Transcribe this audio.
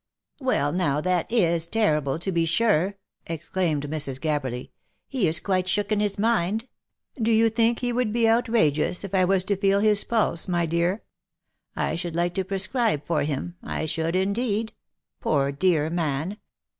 " Well now, that is terrible, to be sure!" exclaimed Mrs. Gabberly. " He is quite shook in his mind. Do you think he would be outra geous if 1 was to feel his pulse, my dear ? I should like to prescribe for him — I should indeed. Poor dear man